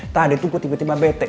tadi tuh gue tiba tiba bete